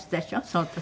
その時。